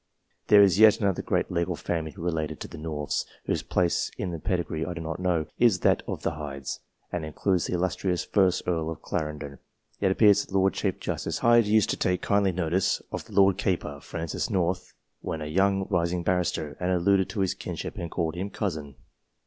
There is yet another great legal family, related to the Norths, whose place in the pedigree I do not know : it is that of the Hydes, and includes the illustrious first Earl of Clarendon. It appears that the Lord Chief Justice Hyde used to take kindly notice of the Lord Keeper, Francis North, when a young rising barrister, and allude to his kinship, and call him " cousin."